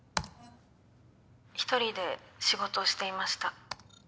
１人で仕事をしていました。